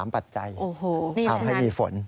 ปัจจัยทำให้มีฝน